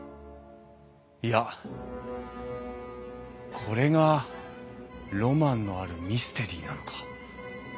いやこれがロマンのあるミステリーなのか。